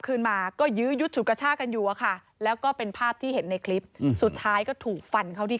คืนมาก็ยื้อยุดฉุดกระชากันอยู่อะค่ะแล้วก็เป็นภาพที่เห็นในคลิปสุดท้ายก็ถูกฟันเขาที่